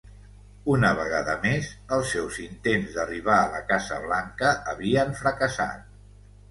Una vegada més, els seus intents d'arribar a la Casa Blanca havien fracassat.